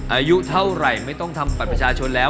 อายุเท่าไหร่ไม่ต้องทำบัตรประชาชนแล้ว